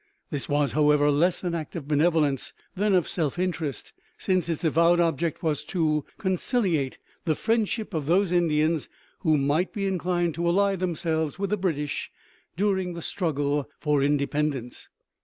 This was, however, less an act of benevolence than of self interest, since its avowed object was to conciliate the friendship of those Indians who might be inclined to ally themselves with the British during the struggle for independence.